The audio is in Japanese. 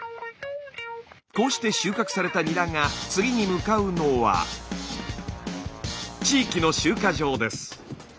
こうして収穫されたニラが次に向かうのは地域の集荷場です。